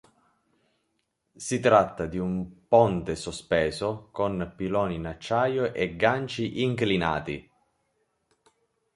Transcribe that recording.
Si tratta di un ponte sospeso con piloni in acciaio e ganci inclinati.